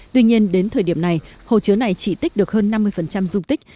tuy nhiên đến thời điểm này hồ chứa này chỉ tích được hơn năm mươi dung tích